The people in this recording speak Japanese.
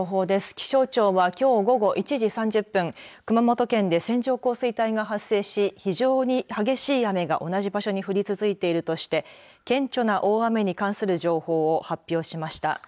気象庁はきょう午後１時３０分熊本県で線状降水帯が発生し非常に激しい雨が同じ場所に降り続いているとして顕著な大雨に関する情報を発表しました。